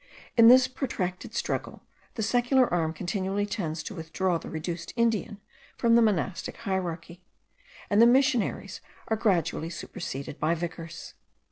In this protracted struggle, the secular arm continually tends to withdraw the reduced Indian from the monastic hierarchy, and the missionaries are gradually superseded by vicars.